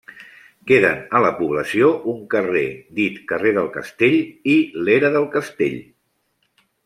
Queden a la població un carrer dit carrer del Castell i l’era del Castell.